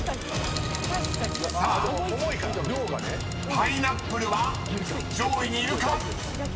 ［さあパイナップルは上位にいるか⁉］